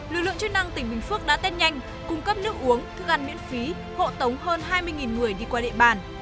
lực lượng chức năng tỉnh bình phước đã test nhanh cung cấp nước uống thức ăn miễn phí hộ tống hơn hai mươi người đi qua địa bàn